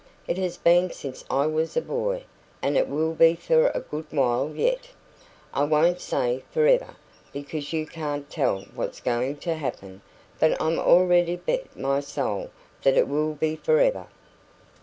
It has been since I was a boy, and it will be for a good while yet I won't say for ever, because you can't tell what's going to happen; but I'm ready to bet my soul that it will be for ever.